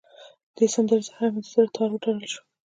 دې سندره سره مې هم د زړه تار وتړل شو.